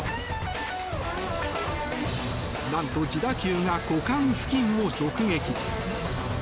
何と自打球が股間付近を直撃。